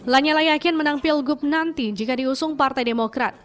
lanyala yakin menang pilgub nanti jika diusung partai demokrat